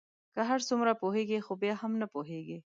که هر څومره پوهیږی خو بیا هم نه پوهیږې